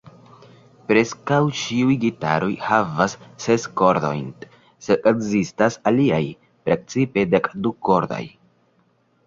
Preskaŭ ĉiuj gitaroj havas ses kordojn, sed ekzistas aliaj, precipe dekdu-kordaj.